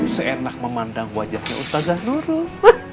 seenak memandang wajahnya ustaz zanuruh